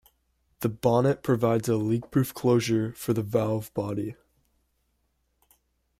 The bonnet provides a leakproof closure for the valve body.